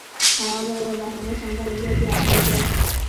هغه به يوه بهرنۍ سندره بيا بيا اورېده.